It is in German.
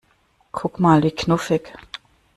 Guck mal, wie knuffig!